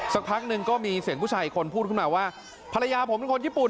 สักพักหนึ่งก็มีเสียงผู้ชายอีกคนพูดขึ้นมาว่าภรรยาผมเป็นคนญี่ปุ่น